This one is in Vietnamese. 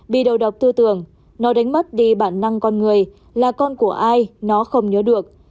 bị đầu độc tư tưởng nó đánh mất đi bản năng con người là con của ai nó không nhớ được